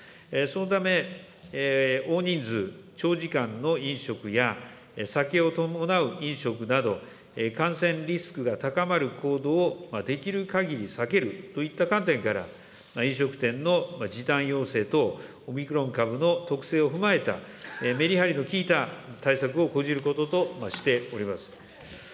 そのため、大人数、長時間の飲食や、酒を伴う飲食など、感染リスクが高まる行動をできるかぎり避けるといった観点から、飲食店の時短要請等、オミクロン株の特性を踏まえた、メリハリの効いた対策を講じることとしております。